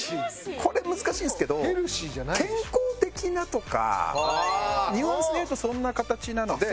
これ難しいんですけど「健康的な」とかニュアンスで言うとそんな形なので。